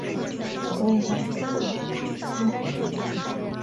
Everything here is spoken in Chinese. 他对数学物理和基本理论物理学做出了贡献。